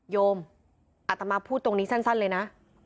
โยมอัตมาพูดตรงนี้สั้นเลยนะ